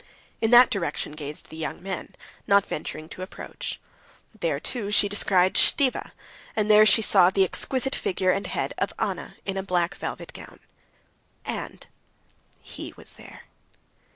In that direction gazed the young men, not venturing to approach. There, too, she descried Stiva, and there she saw the exquisite figure and head of Anna in a black velvet gown. And he was there.